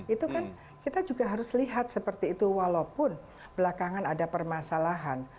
itu kan kita juga harus lihat seperti itu walaupun belakangan ada permasalahan